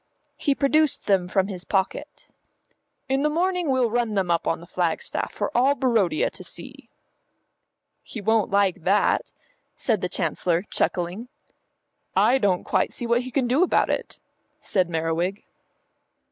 He produced them from his pocket. "In the morning we'll run them up on the flagstaff for all Barodia to see." "He won't like that," said the Chancellor, chuckling. "I don't quite see what he can do about it," said Merriwig.